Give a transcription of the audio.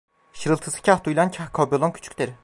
Şırıltısı kah duyulan, kah kaybolan küçük dere…